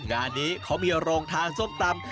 งานนี้เขามีโรงทานส้มตำ